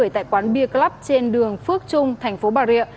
tại quán bia club trên đường phước trung thành phố bà rịa